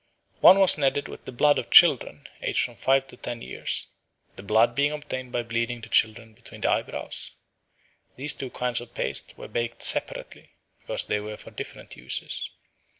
One was kneaded with the blood of children aged from five to ten years, the blood being obtained by bleeding the children between the eyebrows. These two kinds of paste were baked separately, because they were for different uses.